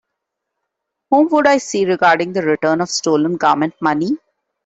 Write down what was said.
Whom would I see regarding the return of stolen Government money?